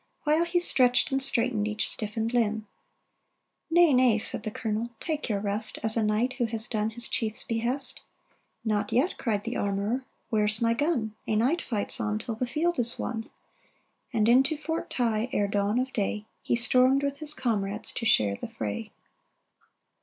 While he stretched and straightened each stiffened limb. "Nay, nay," said the Colonel, " take your rest, As a knight who has done his chief's behest !"" Not yet !" cried the armorer. " Where's my gun ? A knight fights on till the field is won !" And into Fort Ti, ere dawn of day. He stormed with his comrades to share the fray